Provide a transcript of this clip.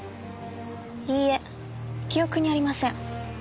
いいえ記憶にありません。